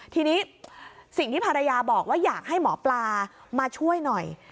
ทีนี้สิ่งที่ภรรยาบอกว่าอยากให้หมอปลามาช่วยหน่อย